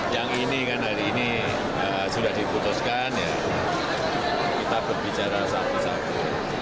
yang ini kan hari ini sudah diputuskan kita berbicara satu satu